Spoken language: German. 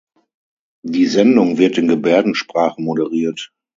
Die Sendung wird in Gebärdensprache moderiert.